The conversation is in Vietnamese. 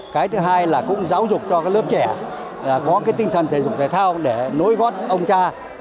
cái thứ hai là cũng giáo dục cho các lớp trẻ có cái tinh thần thể dục thể thao để nối gót ông cha